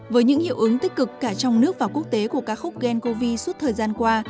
với những hiệu ứng tích cực cả trong nước và quốc tế của ca khúc gencovi suốt thời gian qua